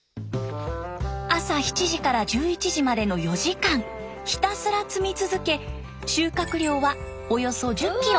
朝７時から１１時までの４時間ひたすら摘み続け収穫量はおよそ１０キロ。